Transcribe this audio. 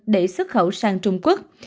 để xuất khẩu sang trung quốc